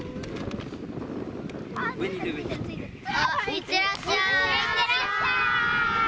行ってらっしゃい。